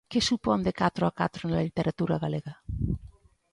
Que supón De catro a catro na literatura galega?